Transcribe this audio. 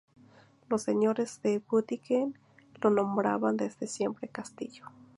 Los señores de Büdingen lo nombraban desde siempre castillo.